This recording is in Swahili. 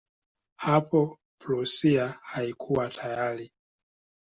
Hapo Prussia haikuwa tayari.